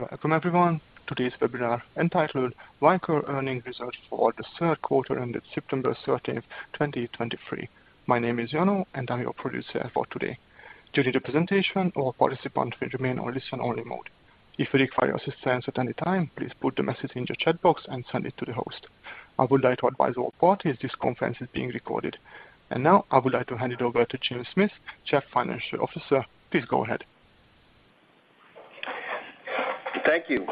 Welcome, everyone, to this webinar entitled, "Vicor Earnings Results for the Third Quarter Ended September 30, 2023." My name is Jano, and I'm your producer for today. During the presentation, all participants will remain on listen-only mode. If you require assistance at any time, please put the message in your chat box and send it to the host. I would like to advise all parties, this conference is being recorded. And now, I would like to hand it over to Jim Schmidt, Chief Financial Officer. Please go ahead. Thank you.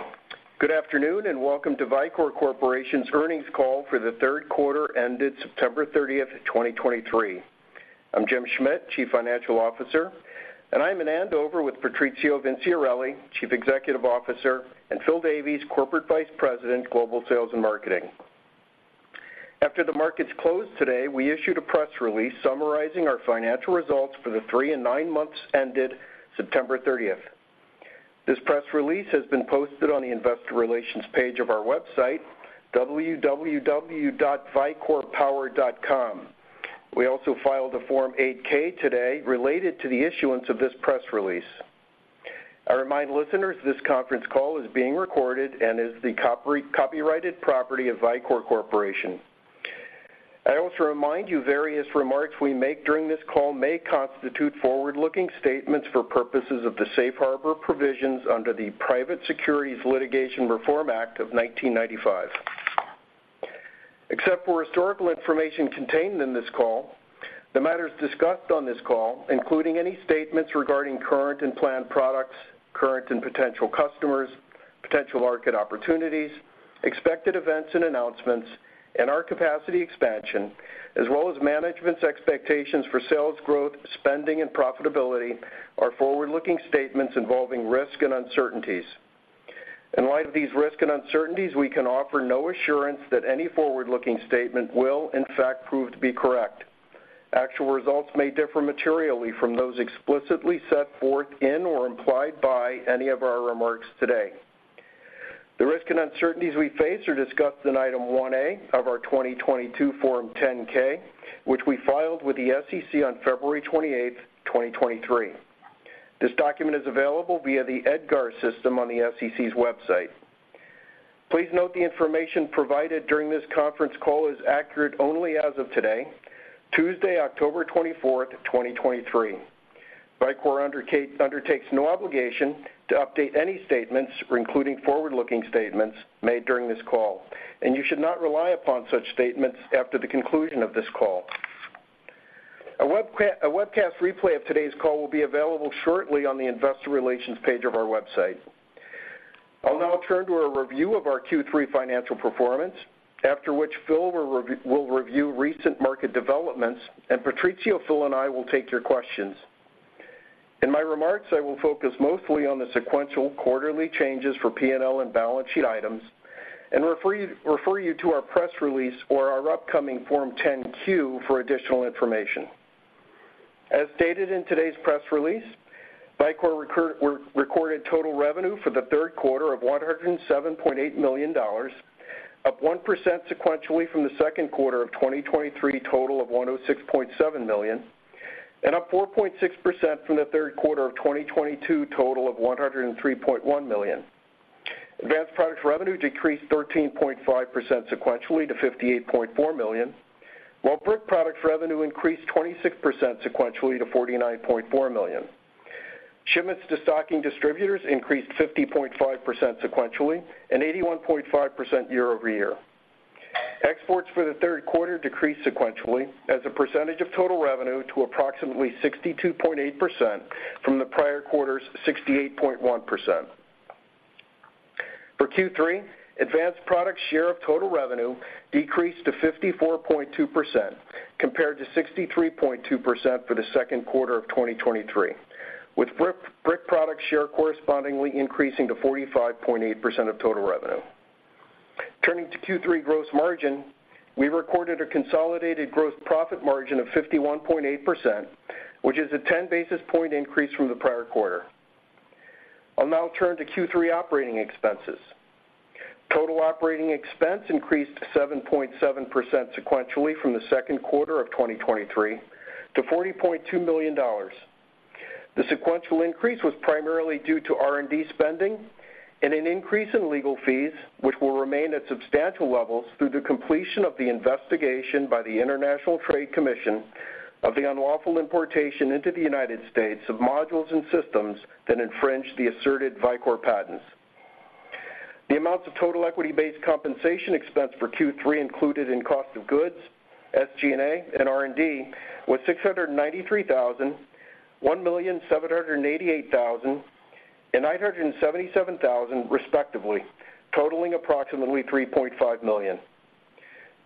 Good afternoon, and welcome to Vicor Corporation's earnings call for the Third Quarter Ended September 30, 2023. I'm Jim Schmidt, Chief Financial Officer, and I'm in Andover with Patrizio Vinciarelli, Chief Executive Officer, and Phil Davies, Corporate Vice President, Global Sales and Marketing. After the markets closed today, we issued a press release summarizing our financial results for the three and nine months ended September 30. This press release has been posted on the investor relations page of our website, www.vicorpower.com. We also filed a Form 8-K today related to the issuance of this press release. I remind listeners, this conference call is being recorded and is the copyrighted property of Vicor Corporation. I also remind you, various remarks we make during this call may constitute forward-looking statements for purposes of the safe harbor provisions under the Private Securities Litigation Reform Act of 1995. Except for historical information contained in this call, the matters discussed on this call, including any statements regarding current and planned products, current and potential customers, potential market opportunities, expected events and announcements, and our capacity expansion, as well as management's expectations for sales growth, spending, and profitability, are forward-looking statements involving risk and uncertainties. In light of these risks and uncertainties, we can offer no assurance that any forward-looking statement will, in fact, prove to be correct. Actual results may differ materially from those explicitly set forth in or implied by any of our remarks today. The risks and uncertainties we face are discussed in Item 1A of our 2022 Form 10-K, which we filed with the SEC on February 28, 2023. This document is available via the EDGAR system on the SEC's website. Please note the information provided during this conference call is accurate only as of today, Tuesday, October 24, 2023. We undertake no obligation to update any statements, including forward-looking statements, made during this call, and you should not rely upon such statements after the conclusion of this call. A webcast replay of today's call will be available shortly on the investor relations page of our website. I'll now turn to a review of our Q3 financial performance, after which Phil will review recent market developments, and Patrizio, Phil, and I will take your questions. In my remarks, I will focus mostly on the sequential quarterly changes for P&L and balance sheet items, and refer you to our press release or our upcoming Form 10-Q for additional information. As stated in today's press release, Vicor recorded total revenue for the third quarter of $107.8 million, up 1% sequentially from the second quarter of 2023 total of $106.7 million, and up 4.6% from the third quarter of 2022 total of $103.1 million. Advanced Products revenue decreased 13.5% sequentially to $58.4 million, while Brick Products revenue increased 26% sequentially to $49.4 million. Shipments to stocking distributors increased 50.5% sequentially and 81.5% year-over-year. Exports for the third quarter decreased sequentially as a percentage of total revenue to approximately 62.8% from the prior quarter's 68.1%. For Q3, Advanced Products share of total revenue decreased to 54.2%, compared to 63.2% for the second quarter of 2023, with Brick, Brick Products share correspondingly increasing to 45.8% of total revenue. Turning to Q3 gross margin, we recorded a consolidated gross profit margin of 51.8%, which is a 10 basis point increase from the prior quarter. I'll now turn to Q3 operating expenses. Total operating expense increased 7.7% sequentially from the second quarter of 2023 to $40.2 million. The sequential increase was primarily due to R&D spending and an increase in legal fees, which will remain at substantial levels through the completion of the investigation by the International Trade Commission of the unlawful importation into the United States of modules and systems that infringe the asserted Vicor patents. The amounts of total equity-based compensation expense for Q3 included in cost of goods, SG&A, and R&D, was $693,000, $1,788,000, and $977,000, respectively, totaling approximately $3.5 million.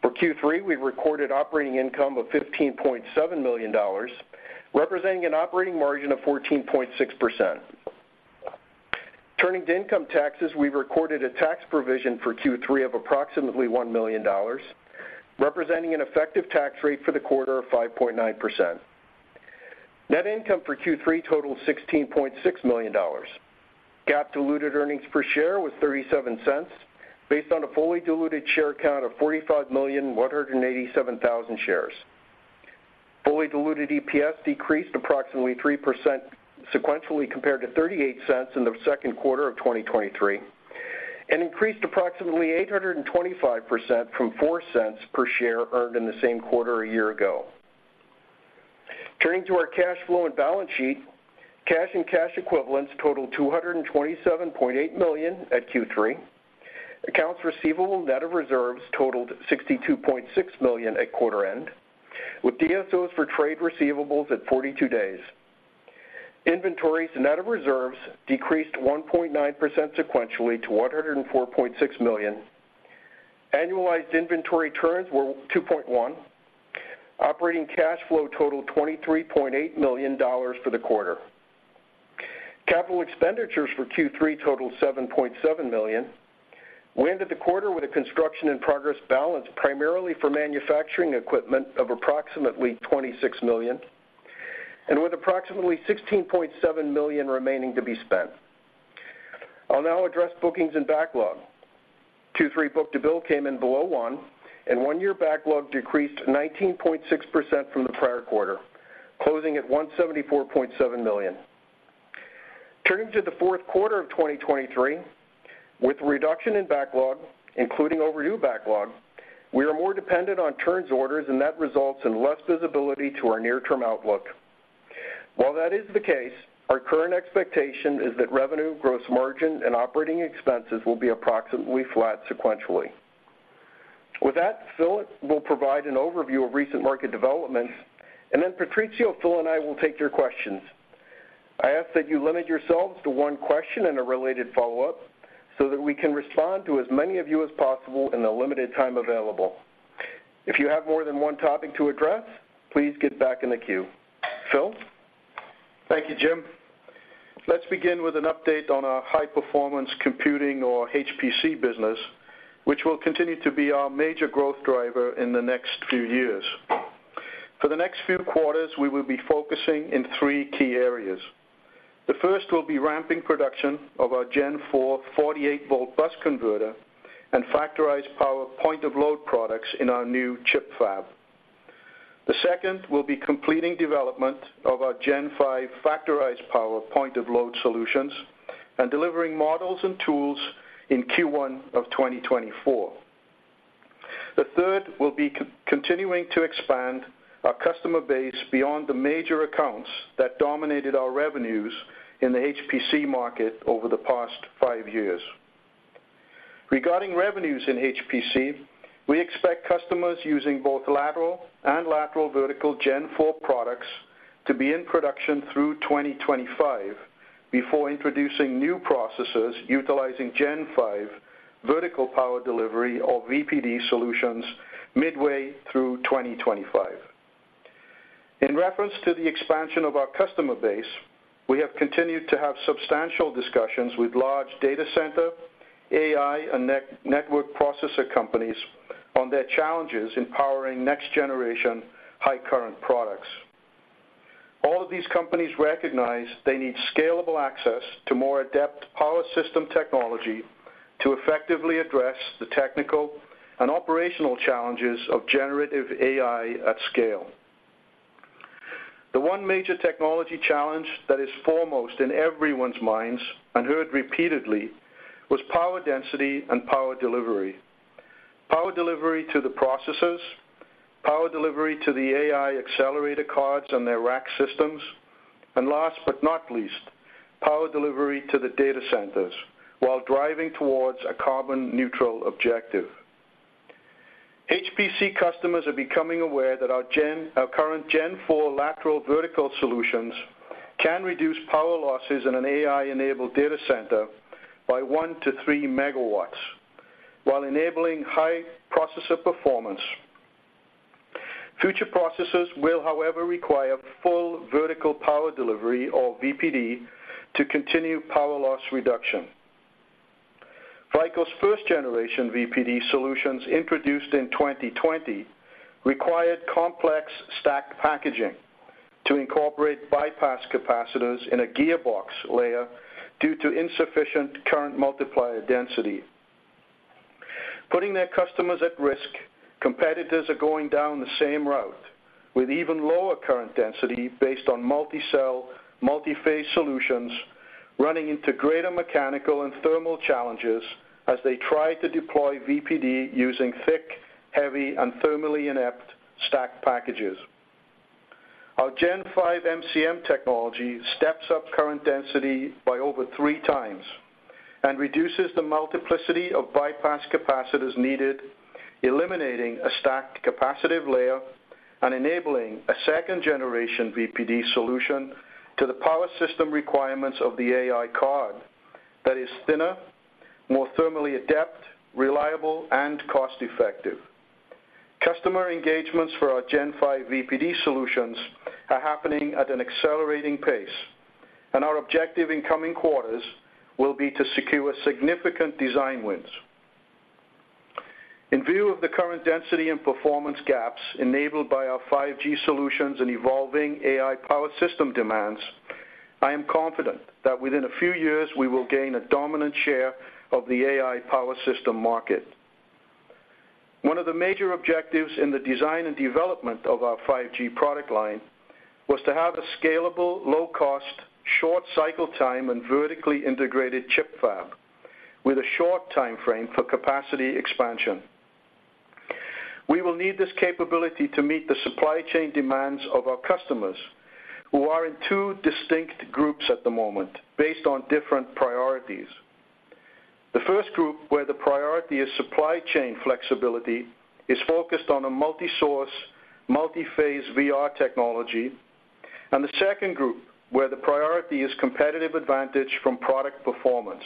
For Q3, we recorded operating income of $15.7 million, representing an operating margin of 14.6%. Turning to income taxes, we recorded a tax provision for Q3 of approximately $1 million, representing an effective tax rate for the quarter of 5.9%. Net income for Q3 totaled $16.6 million. GAAP diluted earnings per share was $0.37, based on a fully diluted share count of 45,187,000 shares. Fully diluted EPS decreased approximately 3% sequentially compared to $0.38 in the second quarter of 2023, and increased approximately 825% from $0.04 per share earned in the same quarter a year ago. Turning to our cash flow and balance sheet, cash and cash equivalents totaled $227.8 million at Q3. Accounts receivable, net of reserves, totaled $62.6 million at quarter end, with DSOs for trade receivables at 42 days. Inventories, net of reserves, decreased 1.9% sequentially to $104.6 million. Annualized inventory turns were 2.1. Operating cash flow totaled $23.8 million for the quarter. Capital expenditures for Q3 totaled $7.7 million. We ended the quarter with a construction-in-progress balance, primarily for manufacturing equipment, of approximately $26 million, and with approximately $16.7 million remaining to be spent. I'll now address bookings and backlog. Q3 book-to-bill came in below one, and one-year backlog decreased 19.6% from the prior quarter, closing at $174.7 million. Turning to the fourth quarter of 2023, with reduction in backlog, including overdue backlog, we are more dependent on turns orders, and that results in less visibility to our near-term outlook. While that is the case, our current expectation is that revenue, gross margin, and operating expenses will be approximately flat sequentially. With that, Phil will provide an overview of recent market developments, and then Patrizio, Phil, and I will take your questions. I ask that you limit yourselves to one question and a related follow-up, so that we can respond to as many of you as possible in the limited time available. If you have more than one topic to address, please get back in the queue. Phil? Thank you, Jim. Let's begin with an update on our high-performance computing, or HPC, business, which will continue to be our major growth driver in the next few years. For the next few quarters, we will be focusing in 3 key areas. The first will be ramping production of our Gen 4 48-volt bus converter and Factorized Power point-of-load products in our new ChiP fab. The second will be completing development of our Gen 5 Factorized Power point-of-load solutions and delivering models and tools in Q1 of 2024. The third will be continuing to expand our customer base beyond the major accounts that dominated our revenues in the HPC market over the past 5 years. Regarding revenues in HPC, we expect customers using both lateral and lateral vertical Gen 4 products to be in production through 2025, before introducing new processes utilizing Gen 5 Vertical Power Delivery, or VPD, solutions midway through 2025. In reference to the expansion of our customer base, we have continued to have substantial discussions with large data center, AI, and network processor companies on their challenges in powering next-generation high current products. All of these companies recognize they need scalable access to more adept power system technology to effectively address the technical and operational challenges of generative AI at scale. The one major technology challenge that is foremost in everyone's minds, and heard repeatedly, was power density and power delivery. Power delivery to the processors, power delivery to the AI accelerator cards and their rack systems, and last but not least, power delivery to the data centers while driving towards a carbon neutral objective. HPC customers are becoming aware that our Gen—our current Gen 4 lateral vertical solutions can reduce power losses in an AI-enabled data center by 1-3 megawatts, while enabling high processor performance. Future processes will, however, require full Vertical Power Delivery, or VPD, to continue power loss reduction. Vicor's first-generation VPD solutions, introduced in 2020, required complex stack packaging to incorporate bypass capacitors in a gearbox layer due to insufficient current multiplier density. Putting their customers at risk, competitors are going down the same route, with even lower current density based on multi-cell, multi-phase solutions, running into greater mechanical and thermal challenges as they try to deploy VPD using thick, heavy, and thermally inept stacked packages. Our Gen 5 MCM technology steps up current density by over three times and reduces the multiplicity of bypass capacitors needed, eliminating a stacked capacitive layer and enabling a second-generation VPD solution to the power system requirements of the AI card that is thinner, more thermally adept, reliable, and cost-effective. Customer engagements for our Gen 5 VPD solutions are happening at an accelerating pace, and our objective in coming quarters will be to secure significant design wins. In view of the current density and performance gaps enabled by our 5G solutions and evolving AI power system demands, I am confident that within a few years, we will gain a dominant share of the AI power system market. One of the major objectives in the design and development of our Gen 5 product line was to have a scalable, low cost, short cycle time and vertically integrated ChiP fab, with a short time frame for capacity expansion. We will need this capability to meet the supply chain demands of our customers, who are in two distinct groups at the moment, based on different priorities. The first group, where the priority is supply chain flexibility, is focused on a multi-source, multi-phase VR technology. The second group, where the priority is competitive advantage from product performance,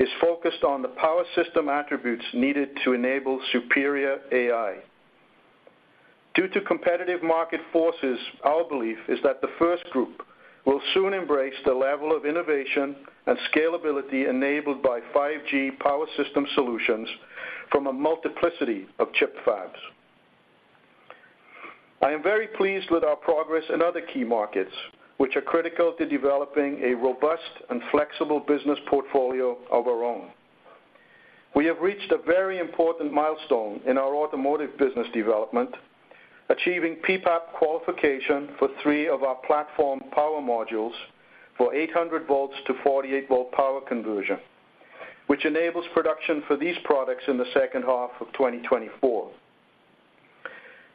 is focused on the power system attributes needed to enable superior AI. Due to competitive market forces, our belief is that the first group will soon embrace the level of innovation and scalability enabled by 5G power system solutions from a multiplicity of ChiP fabs. I am very pleased with our progress in other key markets, which are critical to developing a robust and flexible business portfolio of our own. We have reached a very important milestone in our automotive business development, achieving PPAP qualification for 3 of our platform power modules for 800-volt to 48-volt power conversion, which enables production for these products in the second half of 2024.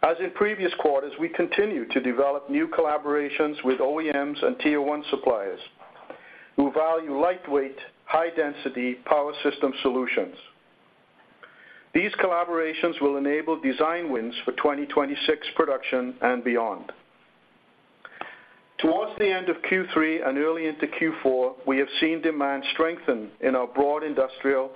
As in previous quarters, we continue to develop new collaborations with OEMs and Tier One suppliers, who value lightweight, high density power system solutions. These collaborations will enable design wins for 2026 production and beyond. Toward the end of Q3 and early into Q4, we have seen demand strengthen in our broad industrial,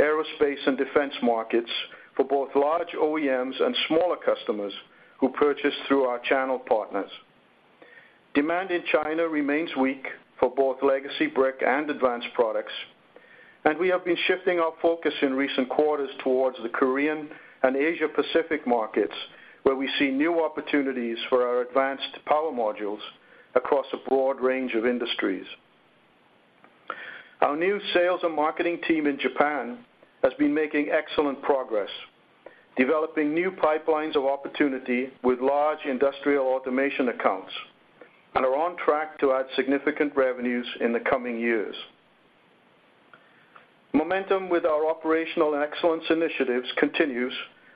aerospace, and defense markets for both large OEMs and smaller customers who purchase through our channel partners. Demand in China remains weak for both legacy brick and advanced products, and we have been shifting our focus in recent quarters toward the Korean and Asia Pacific markets, where we see new opportunities for our advanced power modules across a broad range of industries. Our new sales and marketing team in Japan has been making excellent progress, developing new pipelines of opportunity with large industrial automation accounts, and are on track to add significant revenues in the coming years. Momentum with our operational excellence initiatives continues,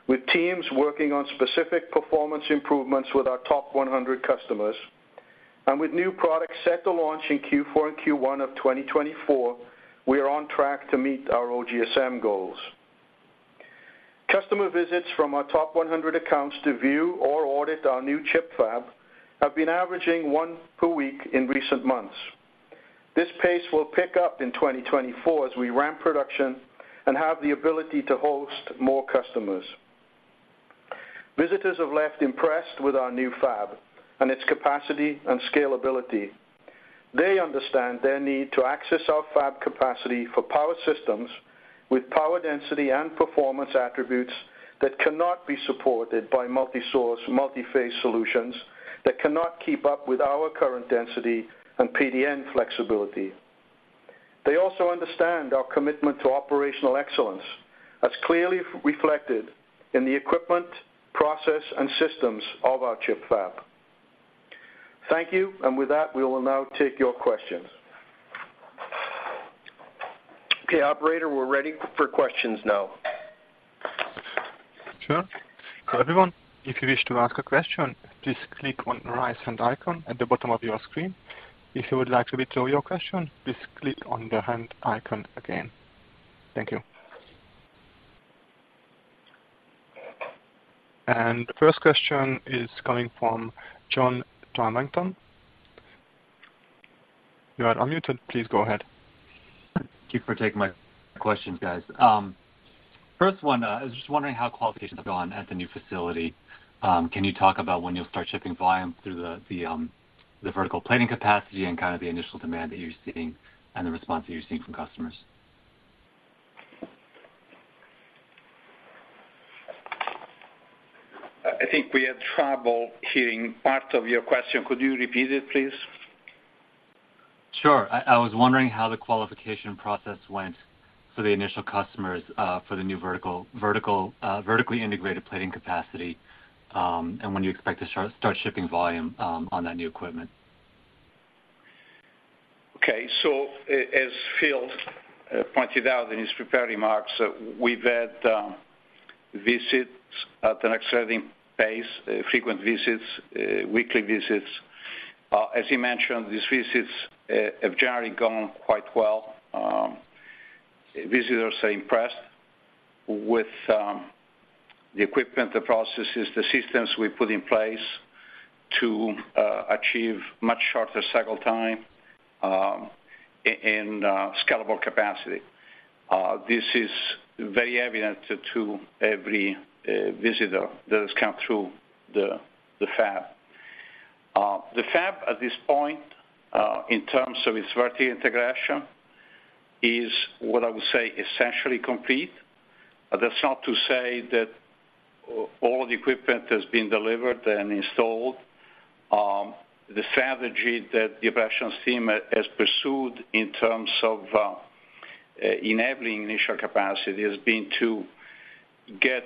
with teams working on specific performance improvements with our top 100 customers. With new products set to launch in Q4 and Q1 of 2024, we are on track to meet our OGSM goals. Customer visits from our top 100 accounts to view or audit our new ChiP fab have been averaging one per week in recent months. This pace will pick up in 2024 as we ramp production and have the ability to host more customers. Visitors have left impressed with our new fab and its capacity and scalability. They understand their need to access our fab capacity for power systems, with power density and performance attributes that cannot be supported by multi-source, multi-phase solutions, that cannot keep up with our current density and PDN flexibility. They also understand our commitment to operational excellence, as clearly reflected in the equipment, process, and systems of our ChiP fab. Thank you, and with that, we will now take your questions. Okay, Operator, we're ready for questions now. Sure. Hello, everyone. If you wish to ask a question, please click on the right-hand icon at the bottom of your screen. If you would like to withdraw your question, please click on the hand icon again. Thank you. And first question is coming from John Tanwanteng. You are unmuted. Please go ahead. Thank you for taking my questions, guys. First one, I was just wondering how qualifications have gone at the new facility. Can you talk about when you'll start shipping volume through the vertical planning capacity and kind of the initial demand that you're seeing and the response that you're seeing from customers? I think we had trouble hearing part of your question. Could you repeat it, please? Sure. I was wondering how the qualification process went for the initial customers for the new vertical, vertically integrated planning capacity, and when you expect to start shipping volume on that new equipment? Okay. So as Phil pointed out in his prepared remarks, we've had visits at an accelerating pace, frequent visits, weekly visits. As you mentioned, these visits have generally gone quite well. Visitors are impressed with the equipment, the processes, the systems we put in place to achieve much shorter cycle time in scalable capacity. This is very evident to every visitor that has come through the fab. The fab, at this point, in terms of its vertical integration, is what I would say, essentially complete. But that's not to say that-... all of the equipment has been delivered and installed. The strategy that the operations team has pursued in terms of enabling initial capacity has been to get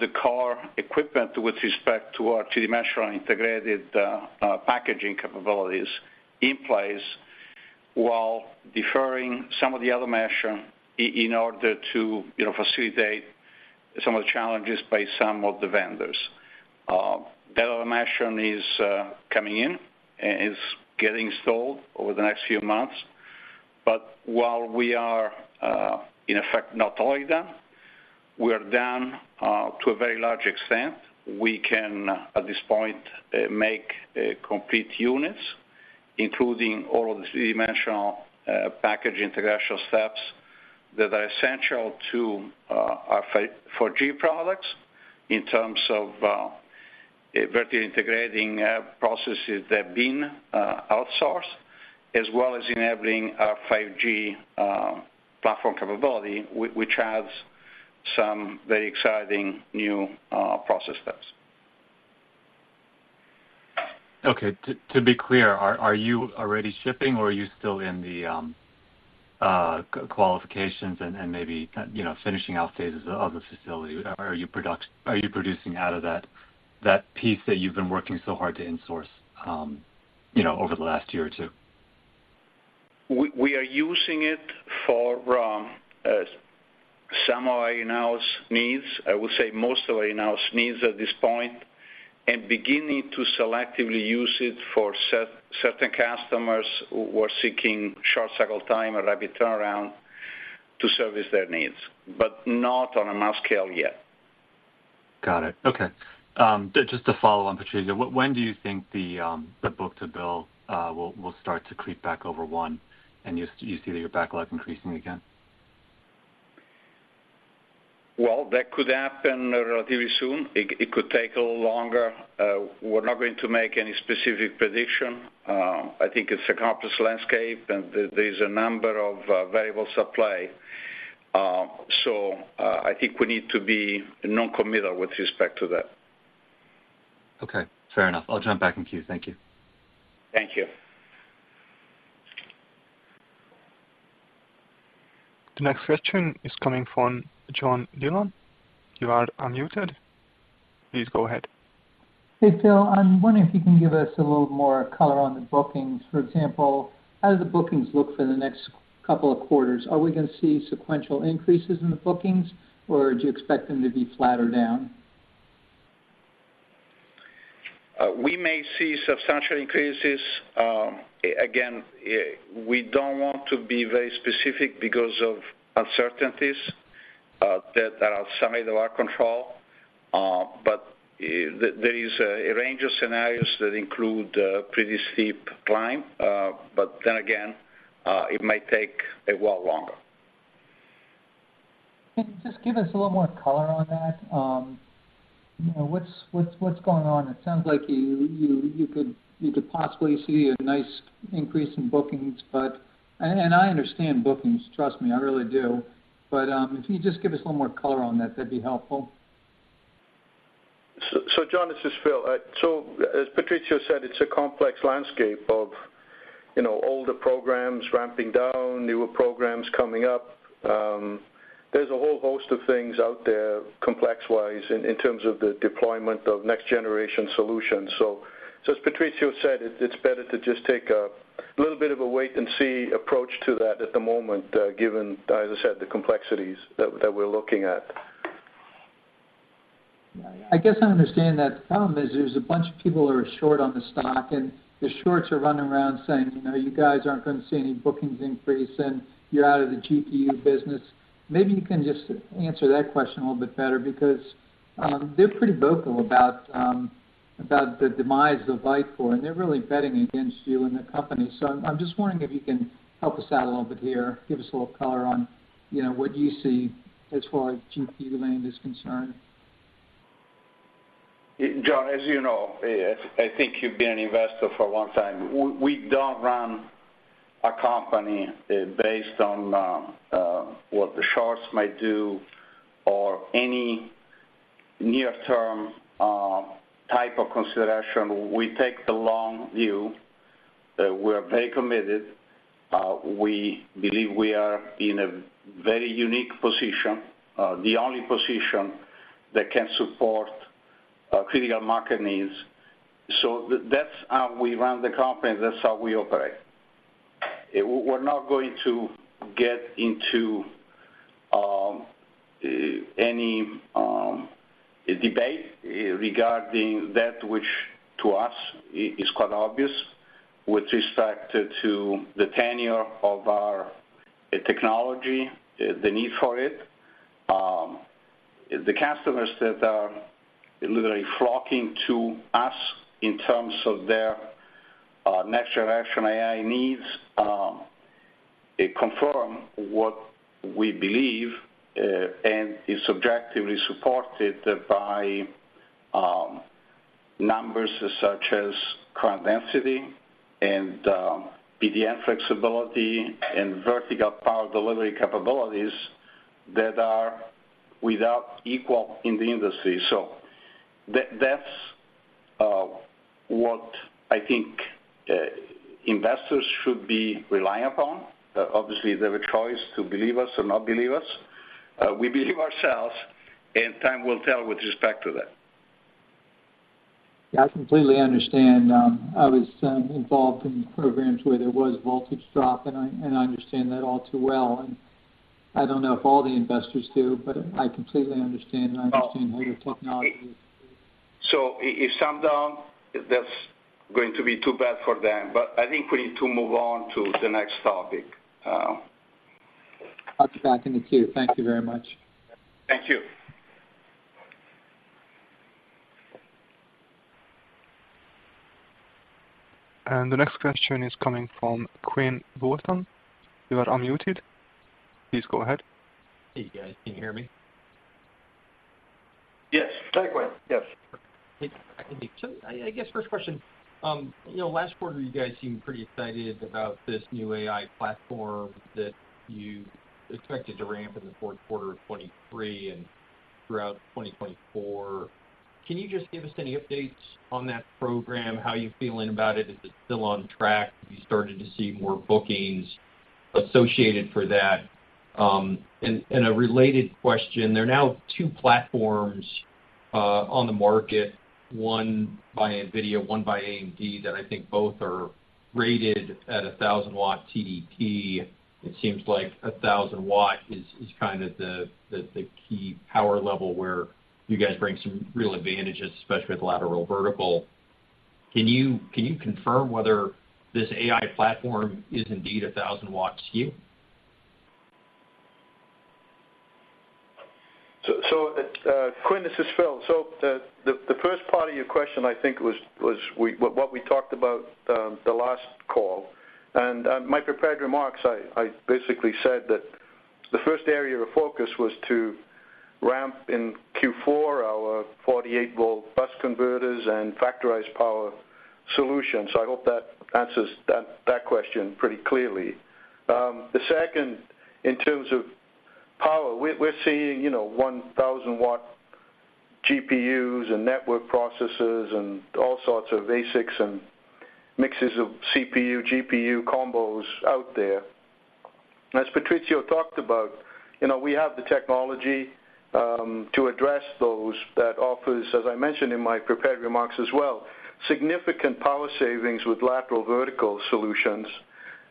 the core equipment with respect to our three-dimensional integrated packaging capabilities in place, while deferring some of the other measure in order to, you know, facilitate some of the challenges by some of the vendors. That other measure is coming in and is getting installed over the next few months. But while we are in effect not all done, we are done to a very large extent. We can, at this point, make complete units, including all of the three-dimensional package integration steps that are essential to our 5G products, in terms of vertically integrating processes that have been outsourced, as well as enabling our 5G platform capability, which has some very exciting new process steps. Okay. To be clear, are you already shipping, or are you still in the qualifications and maybe, you know, finishing out phases of the facility? Or are you producing out of that piece that you've been working so hard to insource, you know, over the last year or two? We are using it for some of our in-house needs. I would say most of our in-house needs at this point, and beginning to selectively use it for certain customers who are seeking short cycle time or rapid turnaround to service their needs, but not on a mass scale yet. Got it. Okay. Just to follow on, Patrizio, when do you think the book-to-bill will start to creep back over one, and you see your backlog increasing again? Well, that could happen relatively soon. It could take a little longer. We're not going to make any specific prediction. I think it's a complex landscape, and there's a number of variables at play. So, I think we need to be non-committal with respect to that. Okay, fair enough. I'll jump back in queue. Thank you. Thank you. The next question is coming from John Dillon. You are unmuted. Please go ahead. Hey, Phil, I'm wondering if you can give us a little more color on the bookings. For example, how do the bookings look for the next couple of quarters? Are we gonna see sequential increases in the bookings, or do you expect them to be flat or down?ker We may see substantial increases. Again, we don't want to be very specific because of uncertainties that are outside of our control. But there is a range of scenarios that include a pretty steep climb, but then again, it may take a while longer. Can you just give us a little more color on that? You know, what's going on? It sounds like you could possibly see a nice increase in bookings, but... I understand bookings, trust me, I really do. But, if you could just give us a little more color on that, that'd be helpful. So, John, this is Phil. So as Patrizio said, it's a complex landscape of, you know, older programs ramping down, newer programs coming up. There's a whole host of things out there, complex-wise, in terms of the deployment of next-generation solutions. So as Patrizio said, it's better to just take a little bit of a wait and see approach to that at the moment, given, as I said, the complexities that we're looking at. I guess I understand that. The problem is there's a bunch of people that are short on the stock, and the shorts are running around saying, "You know, you guys aren't going to see any bookings increase, and you're out of the GPU business." Maybe you can just answer that question a little bit better because they're pretty vocal about the demise of Vicor, and they're really betting against you and the company. So I'm just wondering if you can help us out a little bit here, give us a little color on, you know, what you see as far as GPU land is concerned. John, as you know, I think you've been an investor for a long time. We don't run a company based on what the shorts might do or any near-term type of consideration. We take the long view. We're very committed. We believe we are in a very unique position, the only position that can support critical market needs. So that's how we run the company, that's how we operate. We're not going to get into any debate regarding that, which to us is quite obvious with respect to the tenure of our technology, the need for it. The customers that are literally flocking to us in terms of their next-generation AI needs, they confirm what we believe, and is objectively supported by... numbers such as current density and, PDN flexibility and Vertical Power Delivery capabilities that are without equal in the industry. So that's what I think investors should be relying upon. But obviously, they have a choice to believe us or not believe us. We believe ourselves, and time will tell with respect to that. Yeah, I completely understand. I was involved in programs where there was voltage drop, and I understand that all too well. And I don't know if all the investors do, but I completely understand, and I understand how the technology is. So if some don't, that's going to be too bad for them. But I think we need to move on to the next topic. I'll get back in the queue. Thank you very much. Thank you. The next question is coming from Quinn Bolton. You are unmuted. Please go ahead. Hey, guys. Can you hear me? Yes. Hi, Quinn. Yes. Hey, I can hear. So I guess first question, you know, last quarter, you guys seemed pretty excited about this new AI platform that you expected to ramp in the fourth quarter of 2023 and throughout 2024. Can you just give us any updates on that program? How are you feeling about it? Is it still on track? Have you started to see more bookings associated for that? And a related question, there are now two platforms on the market, one by NVIDIA, one by AMD, that I think both are rated at a 1,000-watt TDP. It seems like a 1,000-watt is kind of the key power level where you guys bring some real advantages, especially with lateral vertical. Can you confirm whether this AI platform is indeed 1,000 watts to you? Quinn, this is Phil. So the first part of your question, I think, was what we talked about, the last call. And my prepared remarks, I basically said that the first area of focus was to ramp in Q4 our 48-volt bus converters and Factorized Power solutions. So I hope that answers that question pretty clearly. The second, in terms of power, we're seeing, you know, 1,000-watt GPUs and network processors and all sorts of ASICs and mixes of CPU, GPU combos out there. As Patrizio talked about, you know, we have the technology to address those that offers, as I mentioned in my prepared remarks as well, significant power savings with lateral vertical solutions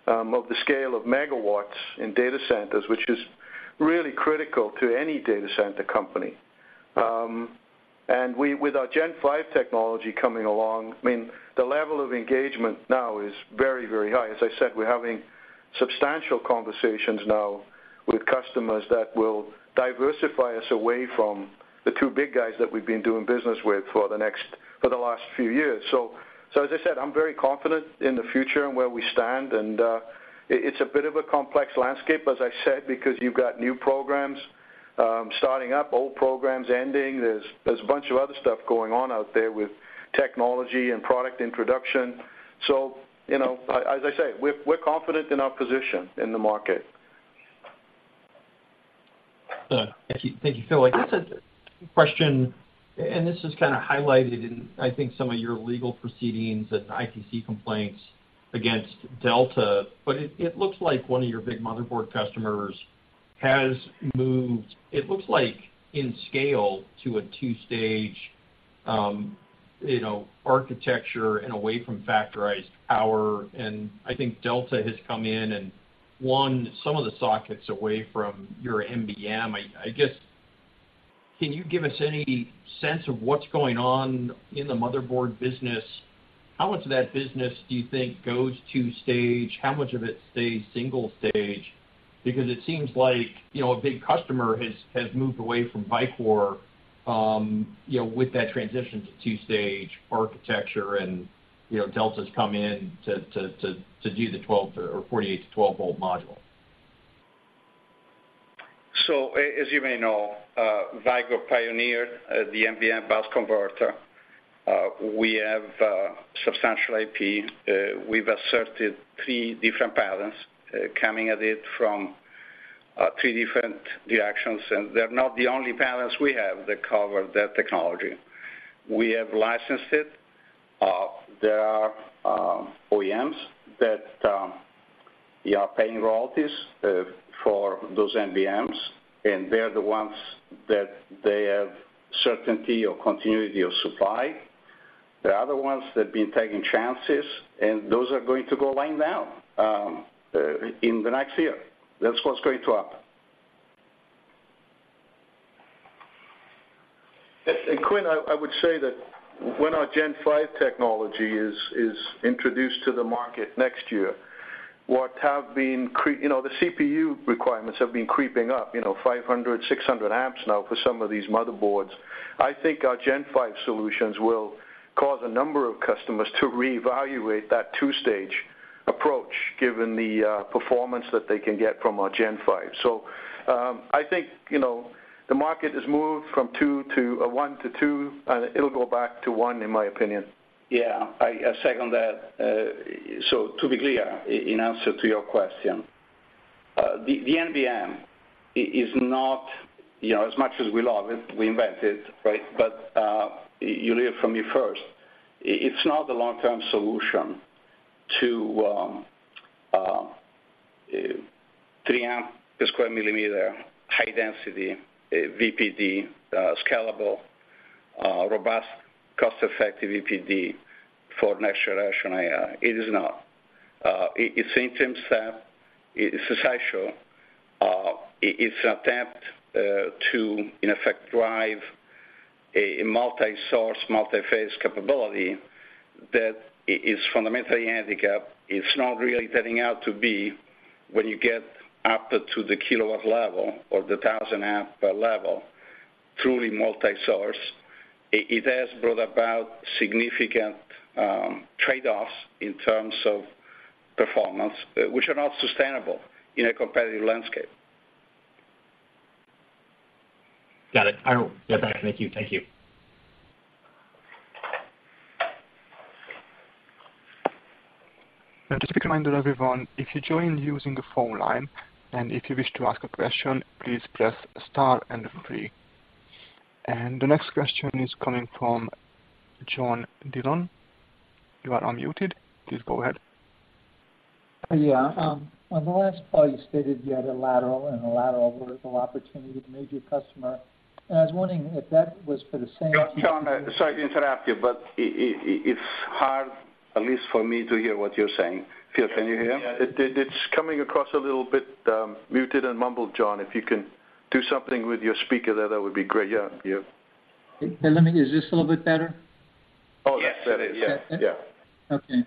of the scale of megawatts in data centers, which is really critical to any data center company. With our Gen 5 technology coming along, I mean, the level of engagement now is very, very high. As I said, we're having substantial conversations now with customers that will diversify us away from the two big guys that we've been doing business with for the last few years. So, as I said, I'm very confident in the future and where we stand, and it's a bit of a complex landscape, as I said, because you've got new programs starting up, old programs ending. There's a bunch of other stuff going on out there with technology and product introduction. So, you know, as I say, we're confident in our position in the market. Thank you. Thank you, Phil. I guess a question, and this is kind of highlighted in, I think, some of your legal proceedings and ITC complaints against Delta, but it looks like one of your big motherboard customers has moved, it looks like, in scale to a two-stage, you know, architecture and away from Factorized Power, and I think Delta has come in and won some of the sockets away from your NBM. I guess, can you give us any sense of what's going on in the motherboard business? How much of that business do you think goes to stage? How much of it stays single stage? Because it seems like, you know, a big customer has moved away from Vicor, you know, with that transition to two-stage architecture, and, you know, Delta's come in to do the 12 or 48 to 12-volt module. So as you may know, Vicor pioneered the NBM bus converter. We have substantial IP. We've asserted three different patents coming at it from three different directions, and they're not the only patents we have that cover that technology. We have licensed it. There are OEMs that are paying royalties for those NBMs, and they're the ones that they have certainty or continuity of supply. There are other ones that have been taking chances, and those are going to go lying down in the next year. That's what's going to happen. Quinn, I would say that when our Gen Five technology is introduced to the market next year, you know, the CPU requirements have been creeping up, you know, 500, 600 amps now for some of these motherboards. I think our Gen Five solutions will cause a number of customers to reevaluate that two-stage approach, given the performance that they can get from our Gen Five. So, I think, you know, the market has moved from two to one to two, and it'll go back to one, in my opinion. Yeah, I second that. So to be clear, in answer to your question, the NBM is not, you know, as much as we love it, we invent it, right? But you hear it from me first, it's not the long-term solution to 3 amp per square millimeter, high density VPD, scalable, robust, cost-effective VPD for next generation AI. It is not. It's an interim step, it's essential. It's an attempt to, in effect, drive a multi-source, multi-phase capability that is fundamentally handicapped. It's not really panning out to be when you get up to the kilowatt level or the 1000 amp level, truly multi-source. It has brought about significant trade-offs in terms of performance, which are not sustainable in a competitive landscape. Got it. I will get back. Thank you. Thank you. Just a reminder, everyone, if you joined using the phone line, and if you wish to ask a question, please press star and three. The next question is coming from John Dillon. You are unmuted. Please go ahead. Yeah. On the last call, you stated you had a lateral and a lateral vertical opportunity with a major customer, and I was wondering if that was for the same- John, John, sorry to interrupt you, but it's hard, at least for me, to hear what you're saying. Phil, can you hear? Yeah. It's coming across a little bit muted and mumbled, John. If you can do something with your speaker there, that would be great. Yeah, yeah. And let me... Is this a little bit better? Oh, yes, that is. Yes. Yeah, yeah. Okay.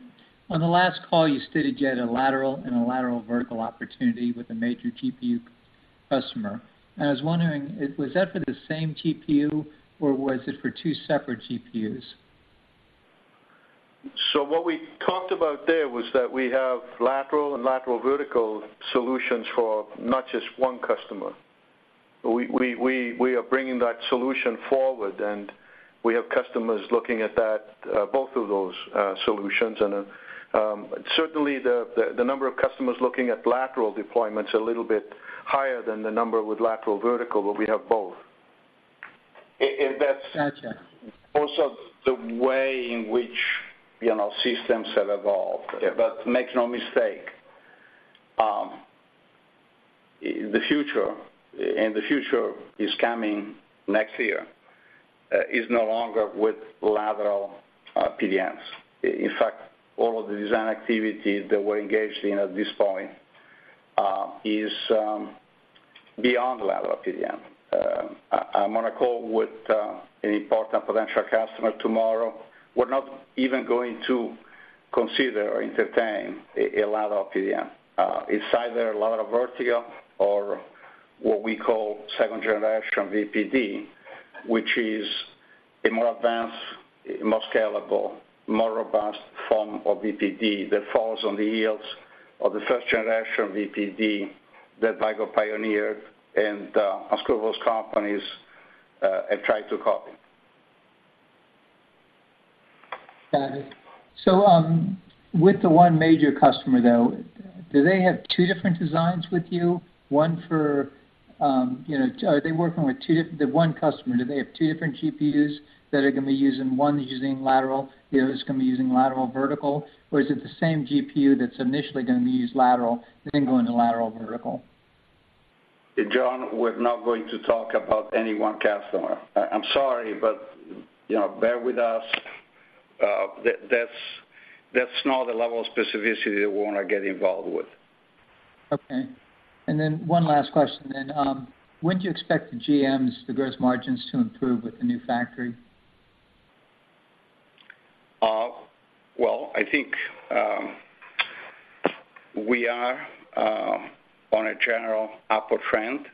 On the last call, you stated you had a lateral and a lateral vertical opportunity with a major GPU customer. I was wondering, was that for the same GPU, or was it for two separate GPUs? So what we talked about there was that we have lateral and lateral vertical solutions for not just one customer. We are bringing that solution forward, and we have customers looking at that, both of those, solutions. Certainly, the number of customers looking at lateral deployment is a little bit higher than the number with lateral vertical, but we have both. A-and that's- Gotcha. Also, the way in which, you know, systems have evolved. Yeah. But make no mistake, the future, and the future is coming next year, is no longer with lateral PDMs. In fact, all of the design activities that we're engaged in at this point is beyond lateral PDM. I'm on a call with an important potential customer tomorrow. We're not even going to consider or entertain a lateral PDM. It's either a lateral vertical or what we call second generation VPD, which is a more advanced, more scalable, more robust form of VPD that follows on the heels of the first generation VPD that Vicor pioneered, and most of those companies have tried to copy. Got it. So, with the one major customer, though, do they have two different designs with you? One for, you know, are they working with two different... The one customer, do they have two different GPUs that are going to be using, one is using lateral, the other is going to be using lateral vertical? Or is it the same GPU that's initially going to be used lateral, then go into lateral vertical? John, we're not going to talk about any one customer. I'm sorry, but, you know, bear with us. That's, that's not the level of specificity that we want to get involved with. Okay. And then one last question then. When do you expect the GMs, the gross margins, to improve with the new factory? Well, I think we are on a general upward trend.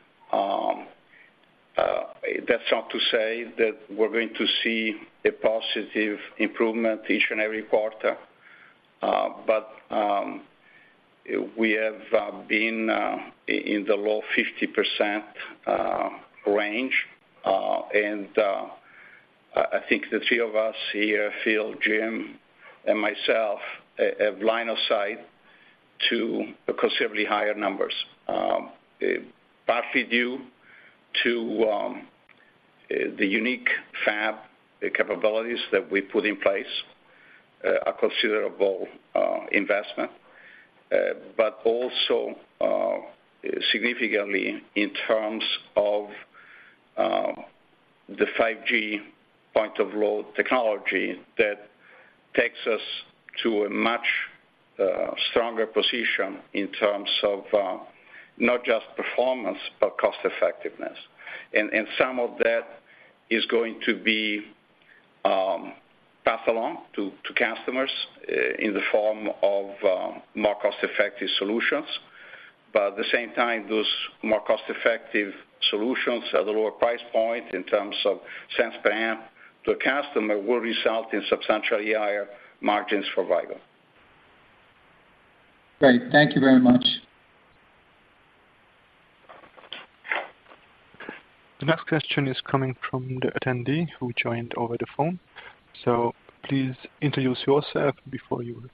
That's not to say that we're going to see a positive improvement each and every quarter. But we have been in the low 50% range. And I think the three of us here, Phil, Jim, and myself, have line of sight to considerably higher numbers. Partly due to the unique fab capabilities that we put in place, a considerable investment, but also significantly in terms of the 5G point-of-load technology that takes us to a much stronger position in terms of not just performance, but cost effectiveness. And some of that is going to be passed along to customers in the form of more cost-effective solutions. But at the same time, those more cost-effective solutions at a lower price point in terms of cents per amp to a customer will result in substantially higher margins for Vicor. Great. Thank you very much. The next question is coming from the attendee who joined over the phone. So please introduce yourself before you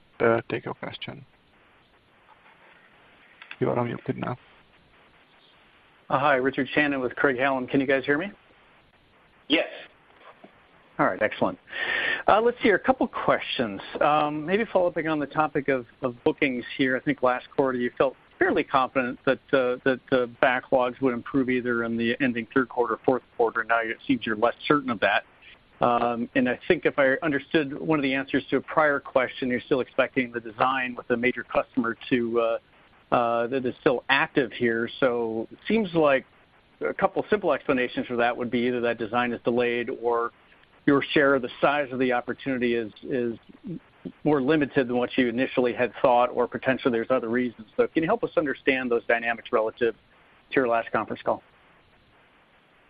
take your question. You are unmuted now. Hi, Richard Shannon with Craig-Hallum. Can you guys hear me? Yes. All right, excellent. Let's see, a couple questions. Maybe following up on the topic of bookings here. I think last quarter, you felt fairly confident that the backlogs would improve either in the ending third quarter, fourth quarter. Now it seems you're less certain of that. And I think if I understood one of the answers to a prior question, you're still expecting the design with a major customer to that is still active here. So seems like a couple simple explanations for that would be either that design is delayed or your share of the size of the opportunity is more limited than what you initially had thought, or potentially there's other reasons. So can you help us understand those dynamics relative to your last conference call?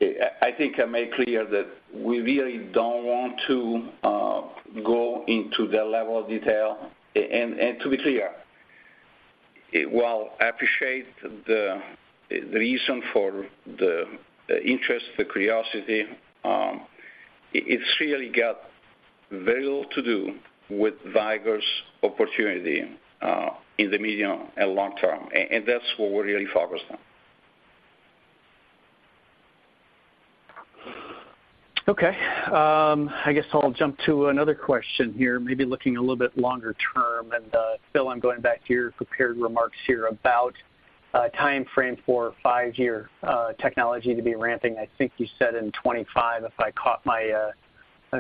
I think I made clear that we really don't want to go into the level of detail. To be clear, while I appreciate the reason for the interest, the curiosity, it's really got very little to do with Vicor's opportunity in the medium and long term, and that's what we're really focused on. Okay, I guess I'll jump to another question here, maybe looking a little bit longer term. Phil, I'm going back to your prepared remarks here about time frame for 5-year technology to be ramping. I think you said in 2025,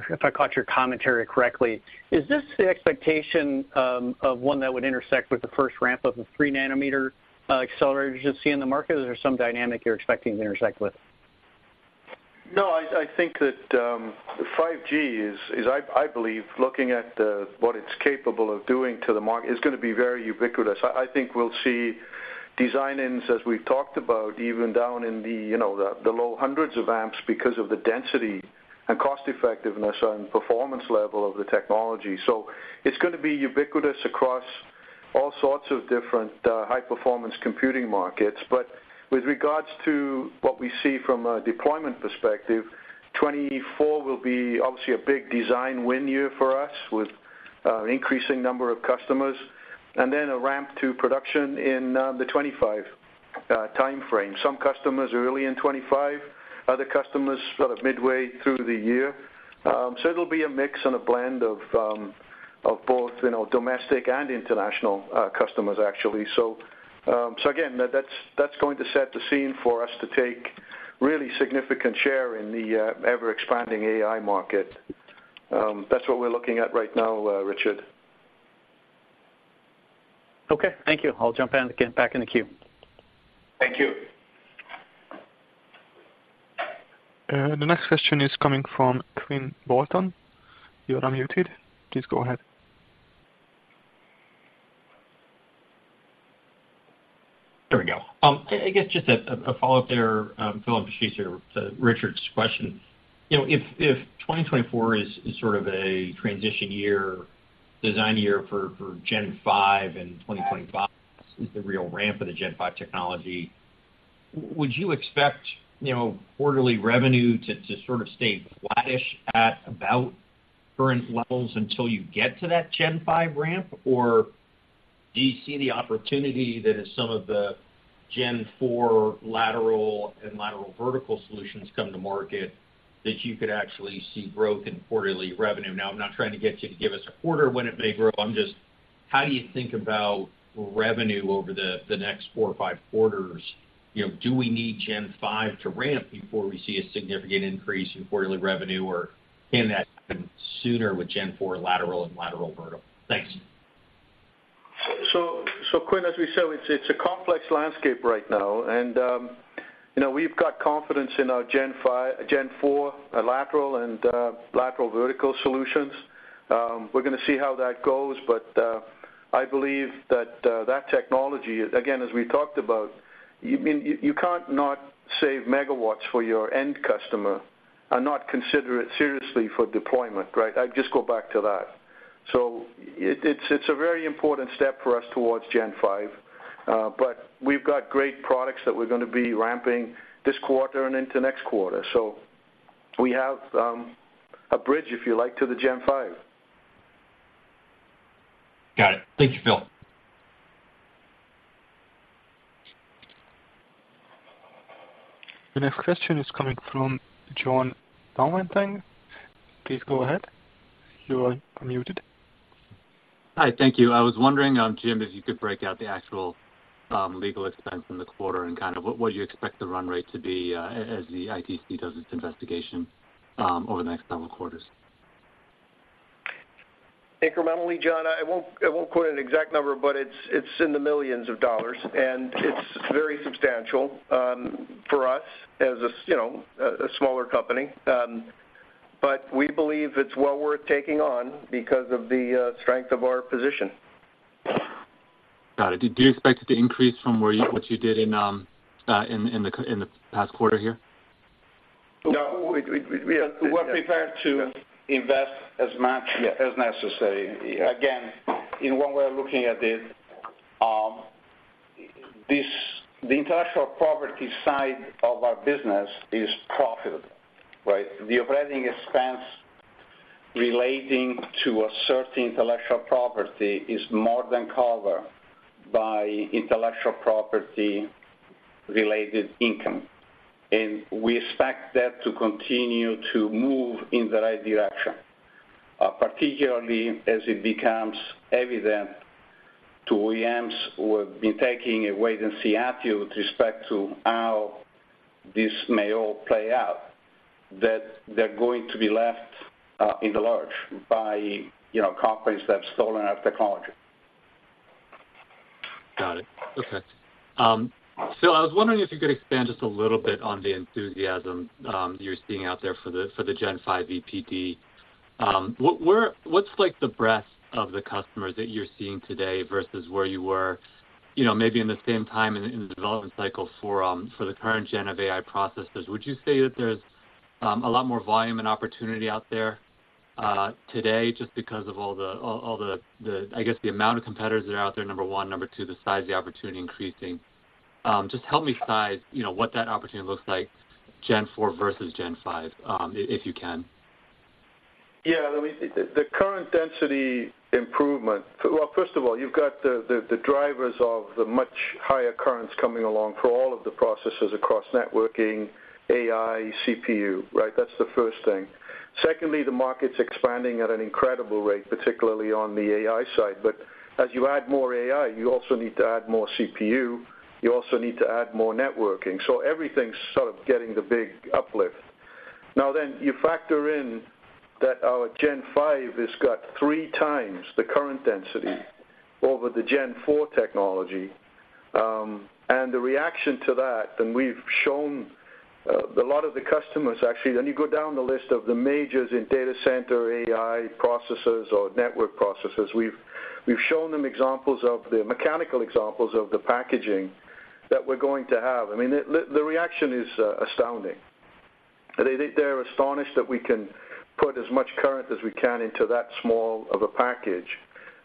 if I caught your commentary correctly. Is this the expectation of one that would intersect with the first ramp of a 3-nanometer accelerator you should see in the market? Or is there some dynamic you're expecting to intersect with? No, I think that 5G is, I believe, looking at what it's capable of doing to the market, is gonna be very ubiquitous. I think we'll see design-ins, as we've talked about, even down in the, you know, the low hundreds of amps because of the density and cost effectiveness and performance level of the technology. So it's gonna be ubiquitous across all sorts of different high-performance computing markets. But with regards to what we see from a deployment perspective, 2024 will be obviously a big design win year for us, with an increasing number of customers, and then a ramp to production in the 2025 time frame. Some customers early in 2025, other customers sort of midway through the year. So it'll be a mix and a blend of both, you know, domestic and international customers, actually. So again, that's going to set the scene for us to take really significant share in the ever-expanding AI market. That's what we're looking at right now, Richard. Okay, thank you. I'll jump in again, back in the queue. Thank you. The next question is coming from Quinn Bolton. You are unmuted. Please go ahead. There we go. I guess just a follow-up there, Phil, just to Richard's question. You know, if 2024 is sort of a transition year, design year for Gen Five, and 2025 is the real ramp of the Gen Five technology, would you expect, you know, quarterly revenue to sort of stay flattish at about current levels until you get to that Gen Five ramp? Or do you see the opportunity that as some of the Gen Four lateral and lateral vertical solutions come to market, that you could actually see growth in quarterly revenue? Now, I'm not trying to get you to give us a quarter when it may grow. I'm just, how do you think about revenue over the next four or five quarters? You know, do we need Gen Five to ramp before we see a significant increase in quarterly revenue, or can that happen sooner with Gen Four lateral and lateral vertical? Thanks. So, Quinn, as we said, it's a complex landscape right now, and you know, we've got confidence in our Gen Five-Gen Four lateral and lateral vertical solutions. We're gonna see how that goes, but I believe that that technology, again, as we talked about, I mean, you can't not save megawatts for your end customer and not consider it seriously for deployment, right? I'd just go back to that. So it's a very important step for us towards Gen Five, but we've got great products that we're gonna be ramping this quarter and into next quarter. So we have a bridge, if you like, to the Gen Five. Got it. Thank you, Phil. The next question is coming from John Dillon. Please go ahead. You are unmuted. Hi, thank you. I was wondering, Jim, if you could break out the actual legal expense in the quarter and kind of what you expect the run rate to be, as the ITC does its investigation, over the next several quarters? Incrementally, John, I won't quote an exact number, but it's in the millions of dollars, and it's very substantial.... as a, you know, a smaller company. But we believe it's well worth taking on because of the strength of our position. Got it. Do you expect it to increase from what you did in the past quarter here? No, we are- We're prepared to invest as much- Yeah As necessary. Again, in one way of looking at it, this the intellectual property side of our business is profitable, right? The operating expense relating to a certain intellectual property is more than covered by intellectual property-related income, and we expect that to continue to move in the right direction. Particularly as it becomes evident to OEMs who have been taking a wait-and-see attitude with respect to how this may all play out, that they're going to be left in the lurch by, you know, companies that have stolen our technology. Got it. Okay. So I was wondering if you could expand just a little bit on the enthusiasm you're seeing out there for the Gen Five VPD. What, where, what's like the breadth of the customers that you're seeing today versus where you were, you know, maybe in the same time in the development cycle for the current gen of AI processors? Would you say that there's a lot more volume and opportunity out there today, just because of all the... I guess, the amount of competitors that are out there, number one. Number two, the size of the opportunity increasing. Just help me size, you know, what that opportunity looks like, Gen Four versus Gen Five, if you can. Yeah, let me... The current density improvement... Well, first of all, you've got the drivers of the much higher currents coming along for all of the processors across networking, AI, CPU, right? That's the first thing. Secondly, the market's expanding at an incredible rate, particularly on the AI side. But as you add more AI, you also need to add more CPU, you also need to add more networking. So everything's sort of getting the big uplift. Now, then, you factor in that our Gen Five has got 3x the current density over the Gen Four technology, and the reaction to that, and we've shown a lot of the customers, actually, when you go down the list of the majors in data center, AI processors or network processors, we've shown them examples of the mechanical examples of the packaging that we're going to have. I mean, the reaction is astounding. They're astonished that we can put as much current as we can into that small of a package.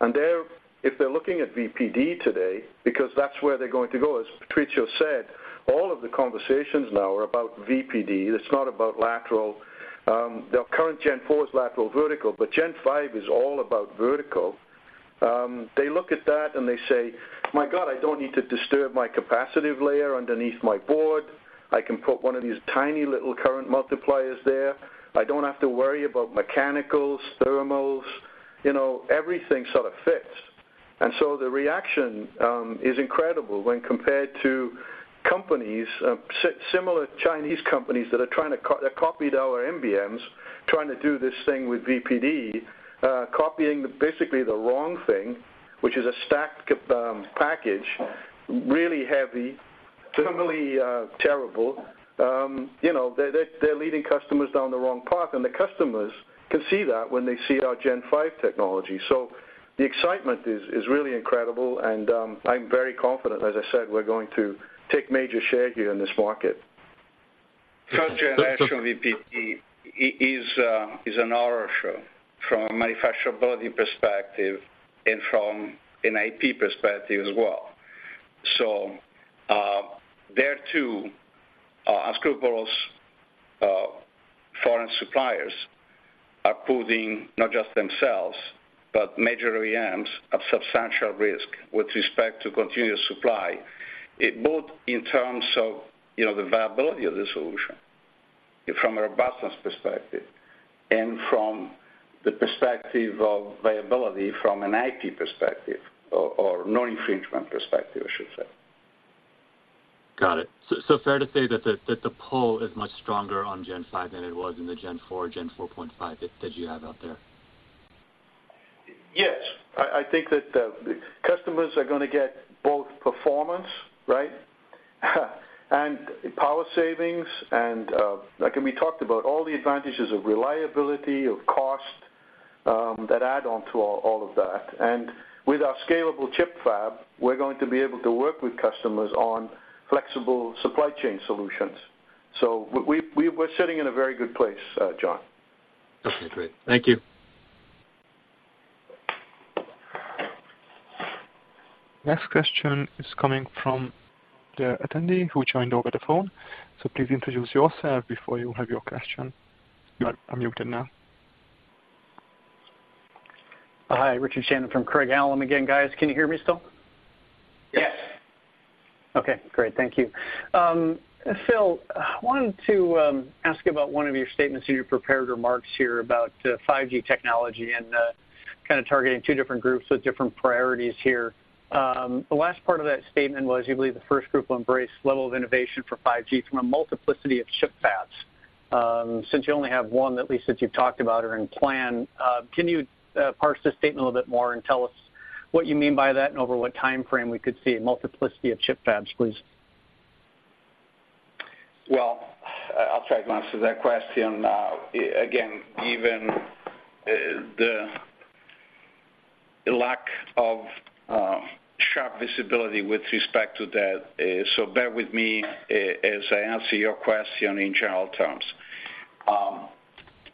And they're... If they're looking at VPD today, because that's where they're going to go, as Patrizio said, all of the conversations now are about VPD. It's not about lateral. The current Gen Four is lateral, vertical, but Gen Five is all about vertical. They look at that and they say, "My God, I don't need to disturb my capacitive layer underneath my board. I can put one of these tiny little current multipliers there. I don't have to worry about mechanicals, thermals," you know, everything sort of fits. And so the reaction is incredible when compared to similar Chinese companies that copied our NBMs, trying to do this thing with VPD, copying basically the wrong thing, which is a stacked package, really heavy, thermally terrible. You know, they're leading customers down the wrong path, and the customers can see that when they see our Gen 5 technology. So the excitement is really incredible, and I'm very confident. As I said, we're going to take major share here in this market. Third generation VPD is a horror show from a manufacturability perspective and from an IP perspective as well. So, there, too, unscrupulous foreign suppliers are putting not just themselves, but major OEMs at substantial risk with respect to continuous supply, both in terms of, you know, the viability of the solution and from a robustness perspective, and from the perspective of viability, from an IP perspective or non-infringement perspective, I should say. Got it. So, fair to say that the pull is much stronger on Gen 5 than it was in the Gen 4, Gen 4.5 that you have out there? Yes. I think that customers are gonna get both performance, right? And power savings and like and we talked about all the advantages of reliability, of cost that add on to all of that. And with our scalable ChiP fab, we're going to be able to work with customers on flexible supply chain solutions. So we're sitting in a very good place, John. Okay, great. Thank you. Next question is coming from the attendee who joined over the phone. So please introduce yourself before you have your question. You are unmuted now. Hi, Richard Shannon from Craig-Hallum again, guys. Can you hear me still? Yes. Yes. Okay, great. Thank you. Phil, I wanted to ask you about one of your statements in your prepared remarks here about 5G technology and kind of targeting two different groups with different priorities here. The last part of that statement was, you believe the first group will embrace level of innovation for 5G from a multiplicity of ChiP fabs... since you only have one, at least that you've talked about or in plan, can you parse the statement a little bit more and tell us what you mean by that, and over what timeframe we could see a multiplicity of ChiP fabs, please? Well, I'll try to answer that question. Again, even the lack of sharp visibility with respect to that, so bear with me as I answer your question in general terms.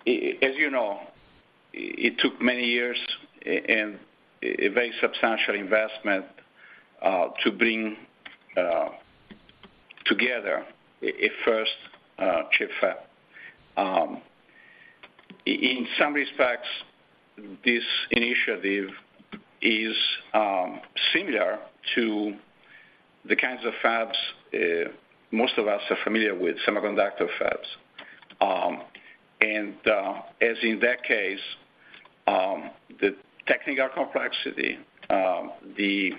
As you know, it took many years and a very substantial investment to bring together a first ChiP fab. In some respects, this initiative is similar to the kinds of fabs most of us are familiar with, semiconductor fabs. And as in that case, the technical complexity, the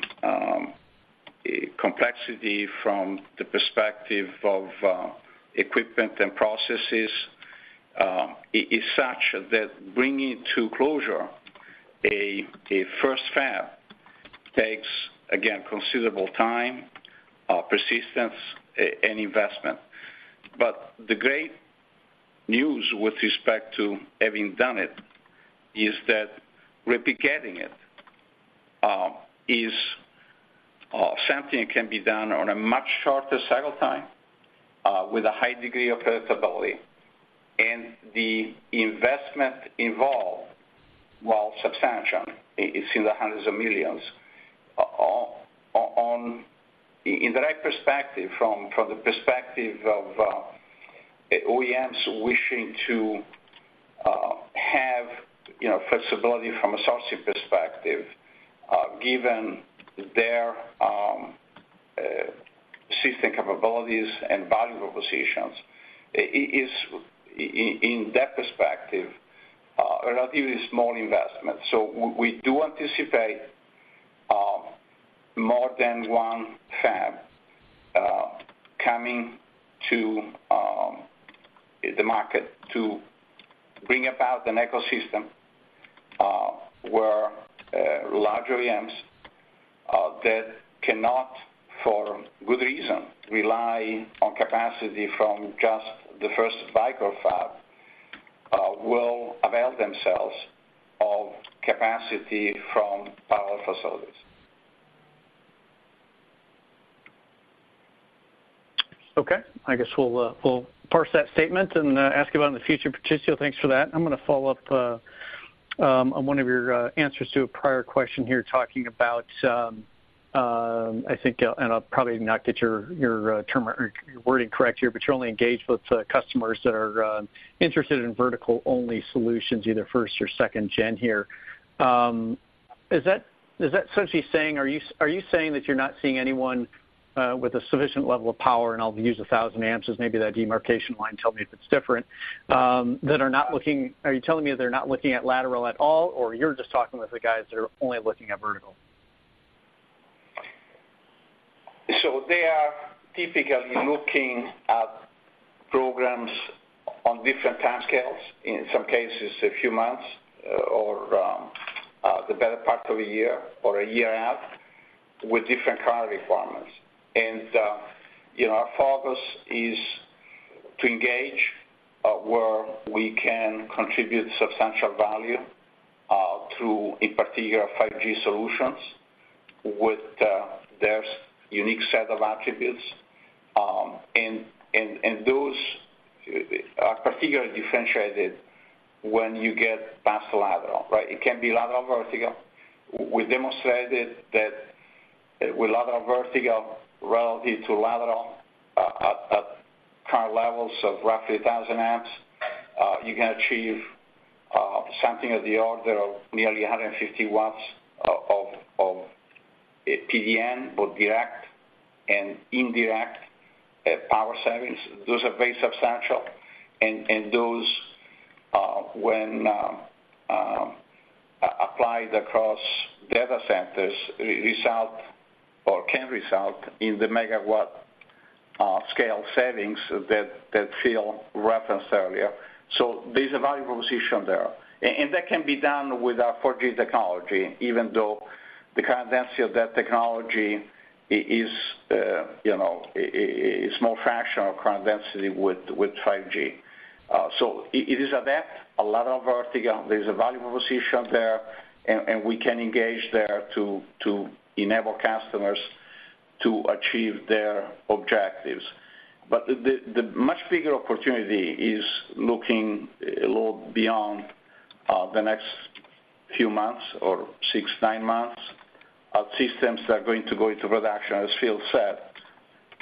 complexity from the perspective of equipment and processes is such that bringing to closure a first fab takes, again, considerable time, persistence, and investment. But the great news with respect to having done it, is that replicating it is something that can be done on a much shorter cycle time with a high degree of predictability. And the investment involved, while substantial, it's in the hundreds of millions, in the right perspective, from the perspective of OEMs wishing to have, you know, flexibility from a sourcing perspective, given their system capabilities and value propositions, it is, in that perspective, a relatively small investment. So we do anticipate more than one fab coming to the market to bring about an ecosystem, where large OEMs that cannot, for good reason, rely on capacity from just the first Vicor fab will avail themselves of capacity from our facilities. Okay. I guess we'll parse that statement and ask about in the future, Patrizio, thanks for that. I'm gonna follow up on one of your answers to a prior question here, talking about, I think, and I'll probably not get your term or your wording correct here, but you're only engaged with customers that are interested in vertical-only solutions, either first or second gen here. Is that essentially saying, are you saying that you're not seeing anyone with a sufficient level of power, and I'll use 1000 amps as maybe that demarcation line, tell me if it's different, that are not looking? Are you telling me they're not looking at lateral at all, or you're just talking with the guys that are only looking at vertical? They are typically looking at programs on different timescales, in some cases, a few months, or the better part of a year or a year out, with different current requirements. You know, our focus is to engage where we can contribute substantial value to, in particular, 5G solutions with their unique set of attributes. Those are particularly differentiated when you get past lateral, right? It can be lateral or vertical. We demonstrated that with lateral vertical relative to lateral at current levels of roughly 1,000 amps. You can achieve something of the order of nearly 150 watts of PDN, both direct and indirect, power savings. Those are very substantial, and those when applied across data centers result or can result in the megawatt scale savings that Phil referenced earlier. So there's a value proposition there. And that can be done with our 4G technology, even though the current density of that technology is, you know, a small fraction of current density with 5G. So it is at that, a lot of vertical. There's a value proposition there, and we can engage there to enable customers to achieve their objectives. But the much bigger opportunity is looking a little beyond the next few months or 6-9 months, systems that are going to go into production, as Phil said,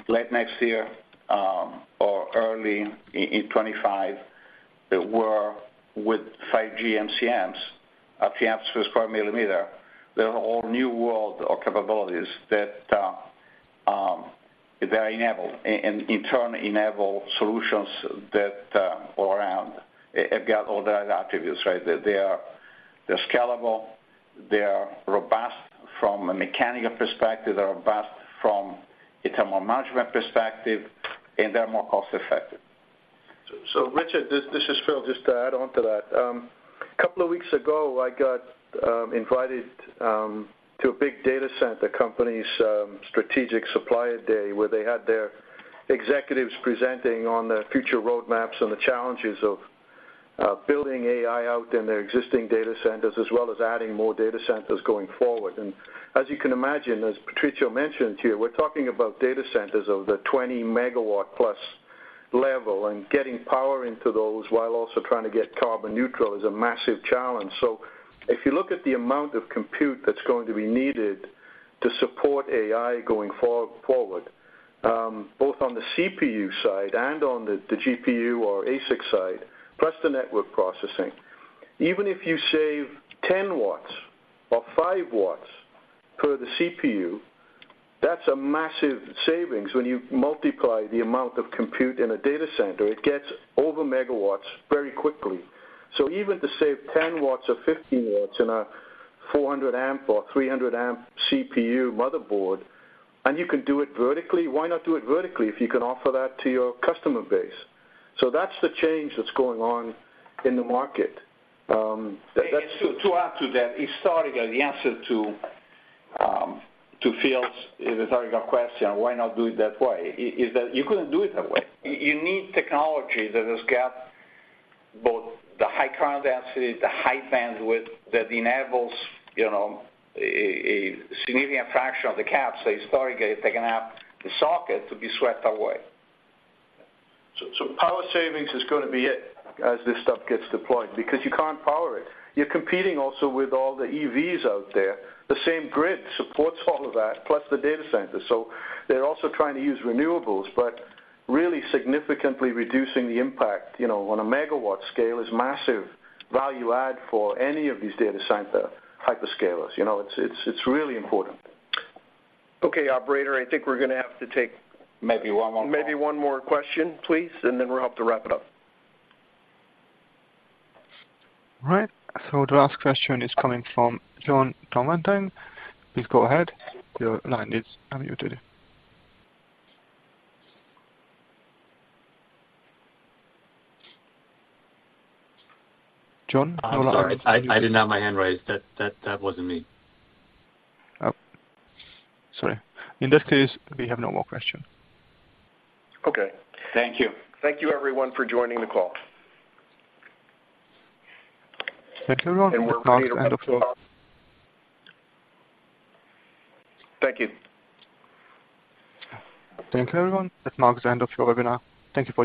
late next year or early in 2025, that were with 5G MCMs, a few amps per square millimeter. They're all new world of capabilities that enable and in turn enable solutions that it got all the other attributes, right? They are, they're scalable, they are robust from a mechanical perspective, they're robust from a thermal management perspective, and they're more cost effective. So, Richard, this, this is Phil. Just to add on to that, a couple of weeks ago, I got invited to a big data center company's strategic supplier day, where they had their executives presenting on the future roadmaps and the challenges of building AI out in their existing data centers, as well as adding more data centers going forward. As you can imagine, as Patrizio mentioned here, we're talking about data centers of the 20-megawatt-plus level, and getting power into those while also trying to get carbon neutral is a massive challenge. So if you look at the amount of compute that's going to be needed to support AI going forward, both on the CPU side and on the, the GPU or ASIC side, plus the network processing, even if you save 10 watts or 5 watts per the CPU, that's a massive savings. When you multiply the amount of compute in a data center, it gets over megawatts very quickly. So even to save 10 watts or 15 watts in a 400-amp or 300-amp CPU motherboard, and you can do it vertically, why not do it vertically if you can offer that to your customer base? So that's the change that's going on in the market, that's- To add to that, historically, the answer to Phil's historical question, why not do it that way, is that you couldn't do it that way. You need technology that has got both the high current density, the high bandwidth, that enables, you know, a significant fraction of the caps, historically, taken out the socket to be swept away. So, power savings is gonna be it as this stuff gets deployed, because you can't power it. You're competing also with all the EVs out there. The same grid supports all of that, plus the data center. So they're also trying to use renewables, but really significantly reducing the impact, you know, on a megawatt scale is massive value add for any of these data center hyperscalers. You know, it's really important. Okay, operator, I think we're gonna have to take- Maybe one more call. Maybe one more question, please, and then we'll have to wrap it up. All right, so the last question is coming from John Dillon. Please go ahead. Your line is unmuted. John? I'm sorry. I did not have my hand raised. That wasn't me. Oh, sorry. In that case, we have no more question. Okay. Thank you. Thank you, everyone, for joining the call. Thank you, everyone. We're ready to wrap it up. Thank you. Thank you, everyone. That marks the end of your webinar. Thank you for joining.